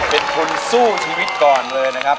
เป็นคนสู้ชีวิตก่อนเลยนะครับ